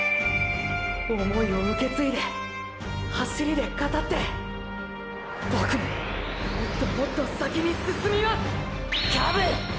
想いを受け継いで走りで語ってボクももっともっと先に進みます！！